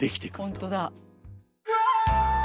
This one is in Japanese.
本当だ。